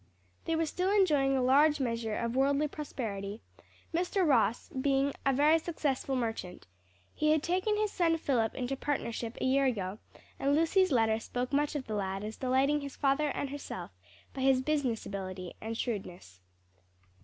They were still enjoying a large measure of worldly prosperity, Mr. Ross being a very successful merchant. He had taken his son Philip into partnership a year ago, and Lucy's letter spoke much of the lad as delighting his father and herself, by his business ability and shrewdness.